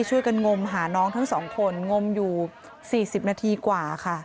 ช่วยกันงมหาน้องทั้งสองคนงมอยู่๔๐นาทีกว่าค่ะ